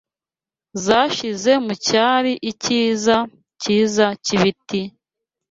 zashize mucyari Icyiza cyiza cyibiti!